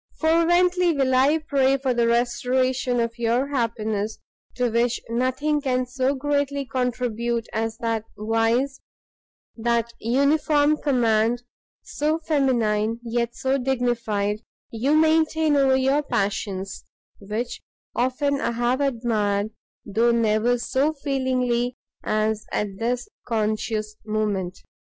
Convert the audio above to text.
Fervently will I pray for the restoration of your happiness, to which nothing can so greatly contribute as that wise, that uniform command, so feminine, yet so dignified, you maintain over your passions; which often I have admired, though never so feelingly as at this conscious moment!